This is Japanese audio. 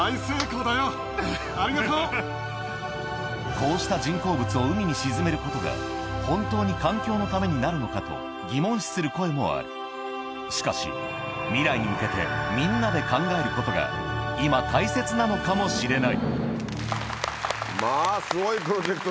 こうした人工物を海に沈めることが本当に環境のためになるのかと疑問視する声もあるしかしことが今大切なのかもしれないまぁすごいプロジェクトですね。